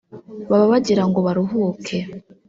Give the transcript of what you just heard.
baba bagirango baruhuke